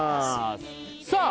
さあ